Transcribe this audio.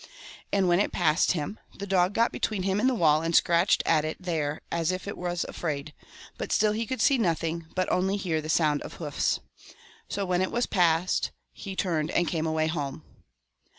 And when it passed him, the dog got 109 The between him and the wall and scratched Celtic Twilight. at it there as if it was afraid, but still he could see nothing but only hear the sound of hoofs. So when it was passed he turned and came away home.'